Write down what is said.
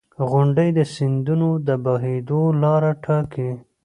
• غونډۍ د سیندونو د بهېدو لاره ټاکي.